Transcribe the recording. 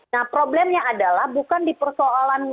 nah problemnya adalah bukan di persoalan